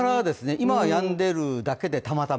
今はやんでいるだけで、たまたま。